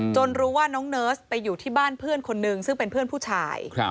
รู้ว่าน้องเนิร์สไปอยู่ที่บ้านเพื่อนคนนึงซึ่งเป็นเพื่อนผู้ชาย